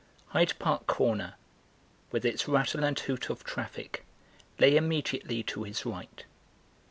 Hyde Park Corner, with its rattle and hoot of traffic, lay immediately to his right.